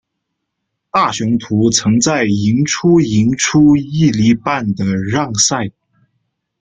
大雄图曾在赢出赢出一哩半的让赛。